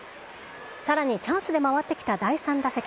さらに、チャンスで回ってきた第３打席。